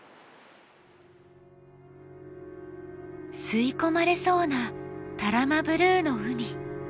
吸い込まれそうな多良間ブルーの海。